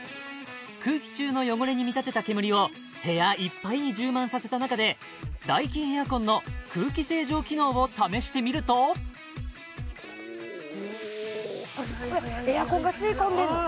空気中の汚れに見立てた煙を部屋いっぱいに充満させた中でダイキンエアコンの空気清浄機能を試してみるとエアコンが吸い込んでんの？